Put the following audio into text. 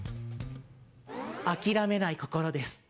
諦めない心です。